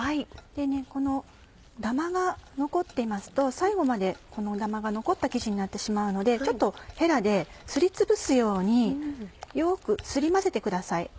このダマが残っていますと最後までダマが残った生地になってしまうのでちょっとヘラですりつぶすようによくすり混ぜてください。